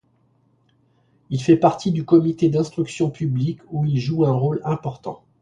Il fait partie du Comité d'instruction publique où il joue un rôle important.